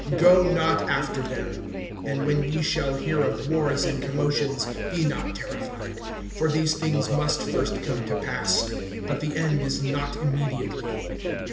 Go not after them. (9)And when ye shall hear of wars and commotions, be not terrified; for these things must first come to pass; but the end is not immediately.